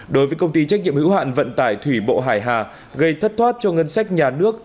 đối với công ty trách nhiệm hữu hạn vận tải thủy bộ hải hà gây thất thoát cho ngân sách nhà nước